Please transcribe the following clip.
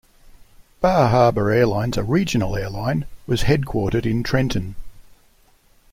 Bar Harbor Airlines, a regional airline, was headquartered in Trenton.